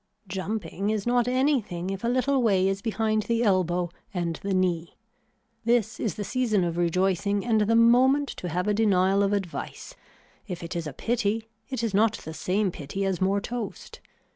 Jumping is not anything if a little way is behind the elbow and the knee. This is the season of rejoicing and the moment to have a denial of advice. If it is a pity it is not the same pity as more toast.